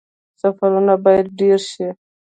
سفرونه باید ډیر شي